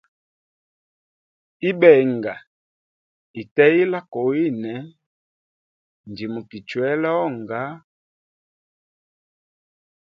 Ibenga ite ila kowine njimukichwela onga.